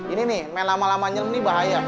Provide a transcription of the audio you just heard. ini nih main lama lama nyelem nih bahaya